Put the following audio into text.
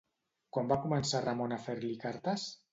Quan va començar Ramon a fer-li cartes?